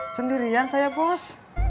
sendirian saya bos